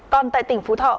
còn tại tỉnh phú thọ